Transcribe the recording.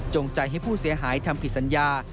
ใจให้ผู้เสียหายทำผิดสัญญา